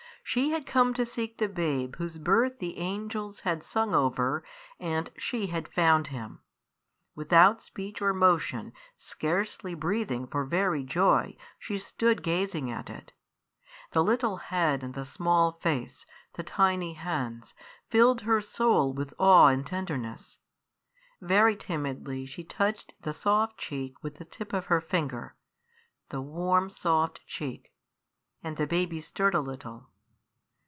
She had come to seek the babe whose birth the angels had sung over, and she had found him. Without speech or motion, scarcely breathing for very joy, she stood gazing at it. The little head and small face, the tiny hands, filled her soul with awe and tenderness. Very timidly she touched the soft cheek with the tip of her finger the warm, soft cheek and the baby stirred a little.